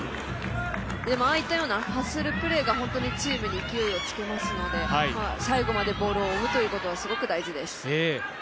ああいったようなハッスルプレーがチームに勢いをつけますので最後までボールを追うということはすごく大事です。